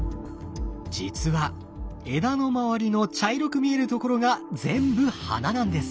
実は枝の周りの茶色く見えるところが全部花なんです。